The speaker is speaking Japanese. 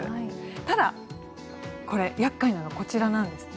ただ、これ、厄介なのがこちらなんですね。